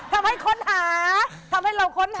ทำให้ค้นหาทำให้เราค้นหา